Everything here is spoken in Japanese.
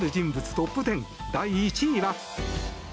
トップ１０第１位は。